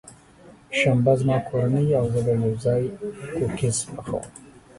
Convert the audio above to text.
شنبه، زما کورنۍ او زه به یوځای کوکیز پخوم.